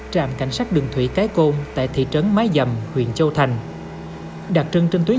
trạm cảnh sát đường thủy cái côn tại thị trấn mái dầm huyện châu thành đặc trưng trên tuyến